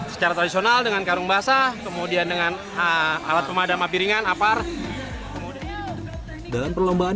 secara tradisional dengan karung basah kemudian dengan alat pemadaman piringan apar dalam perlombaan